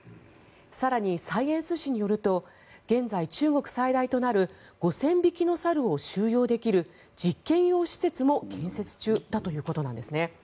更に、「サイエンス」誌によると現在、中国最大となる５０００匹の猿を収容できる実験用施設も建設中だということなんですね。